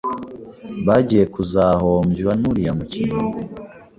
bagiye kuzahombywa n’uriya mukino.